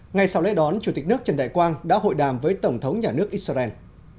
ngay sau lễ đón chủ tịch nước trần đại quang đã hội đàm với tổng thống nhà nước israel